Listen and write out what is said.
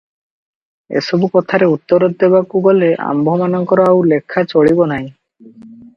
ଏସବୁ କଥାରେ ଉତ୍ତର ଦେବାକୁ ଗଲେ ଆମ୍ଭମାନଙ୍କର ଆଉ ଲେଖା ଚଳିବ ନାହିଁ ।